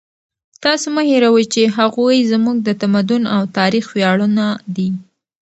تاسو مه هېروئ چې هغوی زموږ د تمدن او تاریخ ویاړونه دي.